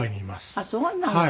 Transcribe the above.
ああそうなの。